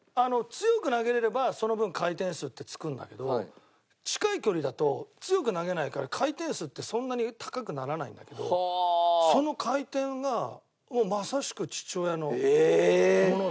強く投げれればその分回転数ってつくんだけど近い距離だと強く投げないから回転数ってそんなに高くならないんだけどその回転がもうまさしく父親のもので。